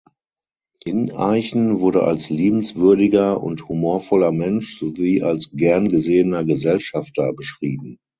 Ineichen wurde als liebenswürdiger und humorvoller Mensch sowie als gern gesehener Gesellschafter beschrieben.